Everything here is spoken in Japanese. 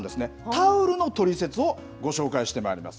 タオルのトリセツをご紹介してまいります。